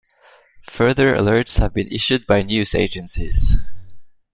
Further alerts have been issued by news agencies.